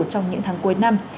trong những tháng cuối năm